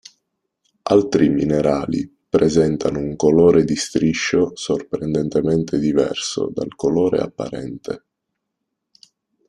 Altri minerali presentano un colore di striscio sorprendentemente diverso dal colore apparente.